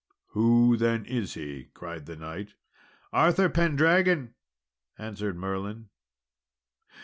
"Who then is he?" cried the knight. "Arthur Pendragon!" answered Merlin.